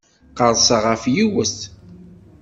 Qerrseɣ ɣef yiwet.